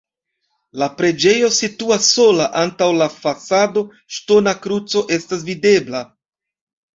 La preĝejo situas sola, antaŭ la fasado ŝtona kruco estas videbla.